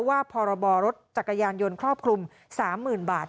ว่าพรรรจักรยานยนต์ครอบครุม๓หมื่นบาท